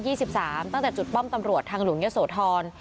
เลขยีสิบสามตั้งแต่จุดป้อมตำรวชทางหลุงยโสทร